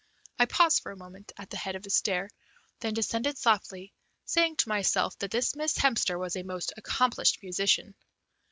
I paused for a moment at the head of the stair, then descended softly, saying to myself that Miss Hemster was a most accomplished musician.